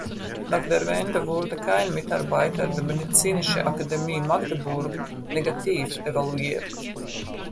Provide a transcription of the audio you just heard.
Nach der Wende wurde kein Mitarbeiter der Medizinische Akademie Magdeburg negativ evaluiert.